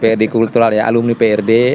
prd kultural ya alumni prd